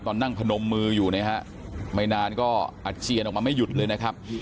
นั่งพนมมืออยู่นะฮะไม่นานก็อาเจียนออกมาไม่หยุดเลยนะครับ